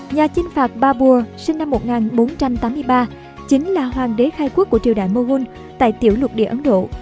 nhà chinh phạt babur sinh năm một nghìn bốn trăm tám mươi ba chính là hoàng đế khai quốc của triều đại mughun tại tiểu lục địa ấn độ